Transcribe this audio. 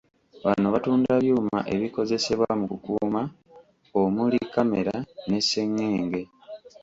Bano batunda byuma ebikozesebwa mu kukuuma, omuli; kkamera, ne ssengenge.